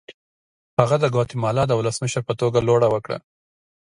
هغه د ګواتیمالا د ولسمشر په توګه لوړه وکړه.